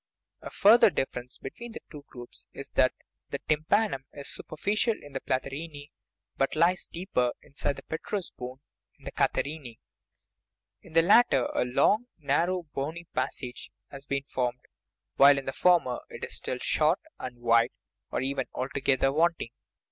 A further difference between the two groups is that the tympanum is superficial in the platyrrhinae, but lies deeper, inside the petrous bone, in the catar rhinae ; in the latter a long and narrow bony passage has been formed, while in the former it is still short and wide, or even altogether wanting.